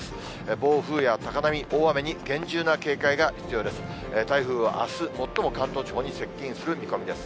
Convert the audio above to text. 暴風や高波、大雨に厳重な警戒が必要です。